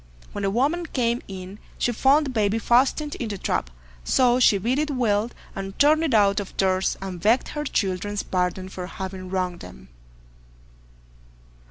When the woman came in, she found the baby fastened in the trap, so she beat it well, and turned it out of doors, and begged her children's pardon for having wronged them.